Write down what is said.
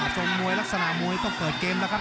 มวยลักษณะมวยต้องเปิดเกมแล้วครับ